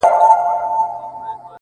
راته شله دی!! وای گيتا سره خبرې وکړه!!